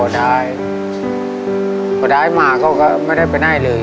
มีกันเท่าไหร่